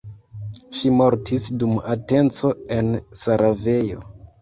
Ŝi mortis dum atenco en Sarajevo.